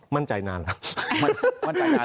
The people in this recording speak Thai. อ๋อมั่นใจนานครับ